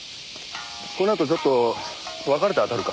このあとちょっと分かれて当たるか。